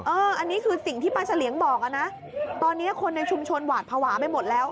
อันนี้คือสิ่งที่ป้าเฉลี่ยงบอกอะนะตอนนี้คนในชุมชนหวาดภาวะไปหมดแล้ว